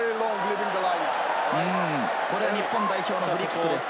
日本代表のフリーキックです。